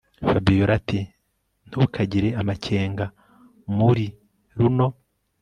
Fabiora ati ntukagire amakenga muri runo